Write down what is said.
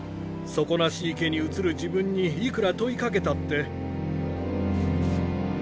底なし池に映る自分にいくら問いかけたって。